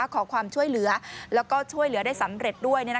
ขอความช่วยเหลือแล้วก็ช่วยเหลือได้สำเร็จด้วย